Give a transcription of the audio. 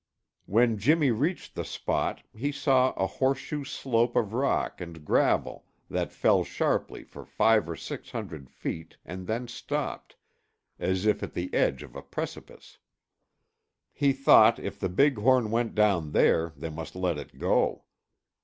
When Jimmy reached the spot he saw a horseshoe slope of rock and gravel that fell sharply for five or six hundred feet and then stopped, as if at the edge of a precipice. He thought if the big horn went down there, they must let it go.